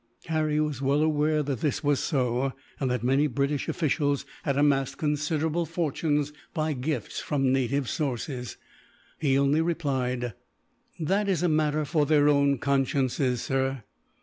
Harry was well aware that this was so, and that many British officials had amassed considerable fortunes, by gifts from native sources. He only replied: "That is a matter for their own consciences, sir.